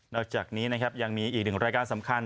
อกจากนี้นะครับยังมีอีกหนึ่งรายการสำคัญ